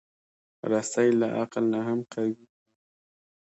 رسۍ له عقل نه هم قوي وي.